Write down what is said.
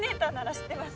知ってます？